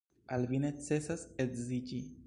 Al vi necesas edziĝi.